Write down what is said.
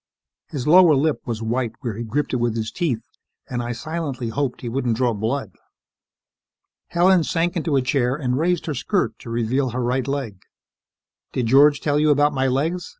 His lower lip was white where he gripped it with his teeth and I silently hoped he wouldn't draw blood. Helen sank into a chair and raised her skirt to reveal her right leg. "Did George tell you about my legs?"